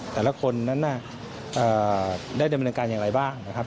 แต่ละคนนั้นได้ดำเนินการอย่างไรบ้างนะครับ